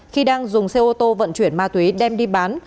khi đang dùng xe ô tô vận chuyển ma túy đem đi bán